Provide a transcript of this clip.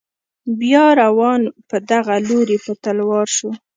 بیا روان په دغه لوري په تلوار شو.